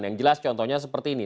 yang jelas contohnya seperti ini